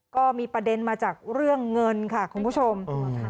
ก็มีประเด็นมาจากเรื่องเงินค่ะคุณผู้ชม